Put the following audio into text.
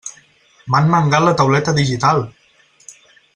M'han mangat la tauleta digital!